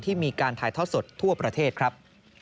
มีการถ่ายทอดสดทั่วประเทศครับ